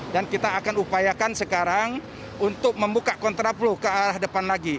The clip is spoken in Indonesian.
dan kita akan upayakan sekarang untuk membuka kontraplu ke arah depan lagi